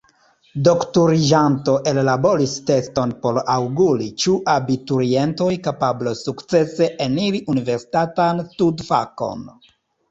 Doktoriĝanto ellaboris teston por aŭguri, ĉu abiturientoj kapablos sukcese eniri universitatan studfakon.